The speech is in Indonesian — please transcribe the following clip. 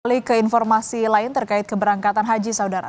alih ke informasi lain terkait keberangkatan haji saudara